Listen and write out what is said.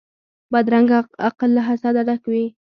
بدرنګه عقل له حسده ډک وي